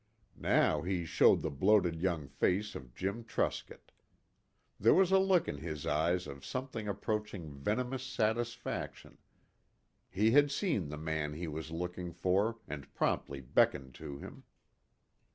Now he showed the bloated young face of Jim Truscott. There was a look in his eyes of something approaching venomous satisfaction. He had seen the man he was looking for, and promptly beckoned to him.